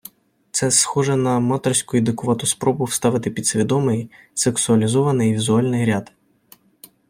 Це схоже на аматорську і дикувату спробу вставити підсвідомий, сексуалізований візуальний ряд.